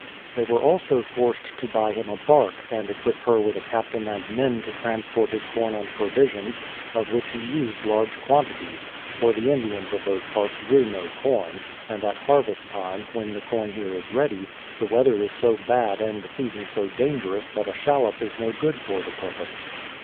They were also forced to buy him a bark, and equip her with a captain and men to transport his corn and provisions, of which he used large quantities; for the Indians of those parts grew no corn, and at harvest time, when the corn here is ready, the weather is so bad and the season so dangerous that a shallop is no good for the purpose.